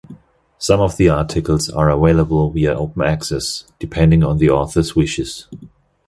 Some of the articles are available via open access, depending on the author's wishes.